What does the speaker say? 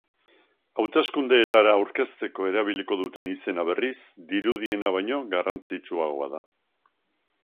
Hauteskundeetara aurkezteko erabiliko duten izena, berriz, dirudiena baino garrantzitsuagoa da.